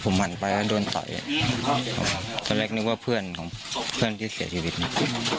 ผมหั่นไปแล้วโดนต่อยตอนแรกนึกว่าเพื่อนของเพื่อนที่เสียชีวิตเนี่ย